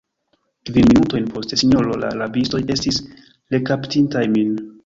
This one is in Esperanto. Kvin minutojn poste, sinjoro, la rabistoj estis rekaptintaj min.